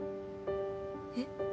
えっ？